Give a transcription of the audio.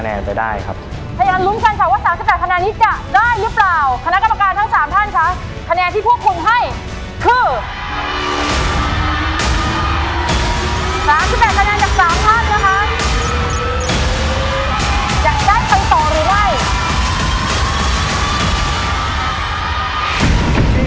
อยากได้คำสอบหรือไม่